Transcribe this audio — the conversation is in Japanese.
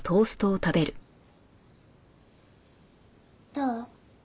どう？